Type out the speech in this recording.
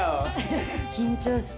緊張した。